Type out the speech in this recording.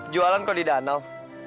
jualan kok di danau